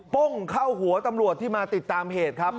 ป้งเข้าหัวตำรวจที่มาติดตามเหตุครับ